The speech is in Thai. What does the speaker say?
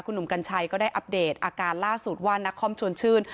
หนุ่มกัญชัยก็ได้อัปเดตอาการล่าสุดว่านักคอมชวนชื่น